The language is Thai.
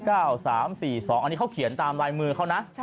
อันนี้เขาเขียนตามลายมือเขานะ